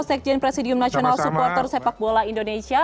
sekjen presidium nasional supporter sepakbola indonesia